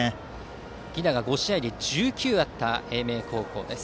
犠打が５試合で１９あった英明高校です。